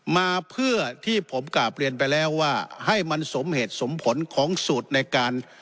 มาเพื่อที่ผมกราบเรียนไปแล้วว่าให้มันสมเหตุสมผลของสูตรในการ